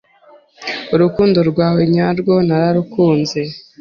urukundo rwawe nyarwo nararuknze